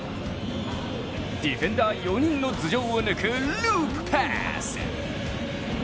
ディフェンダー４人の頭上を抜くループパス。